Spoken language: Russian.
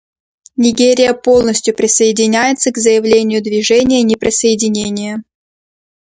Нигерия полностью присоединяется к заявлению Движения неприсоединения.